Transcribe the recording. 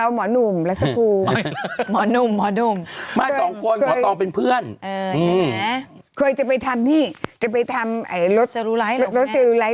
หนูกันรู้จักกับที่พี่หมอเศษบางกัน